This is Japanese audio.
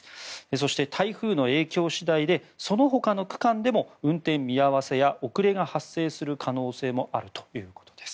そして、台風の影響次第でそのほかの区間でも運転見合わせや遅れが発生する可能性もあるということです。